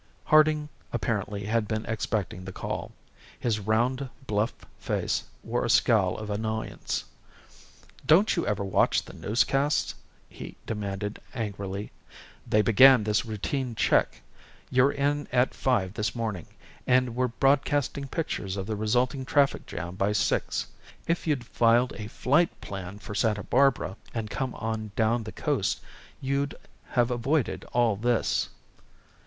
Harding apparently had been expecting the call. His round bluff face wore a scowl of annoyance. "Don't you ever watch the newscasts?" he demanded angrily. "They began this 'Routine Check' you're in at five this morning, and were broadcasting pictures of the resulting traffic jam by six. If you'd filed a flight plan for Santa Barbara and come on down the coast you'd have avoided all this."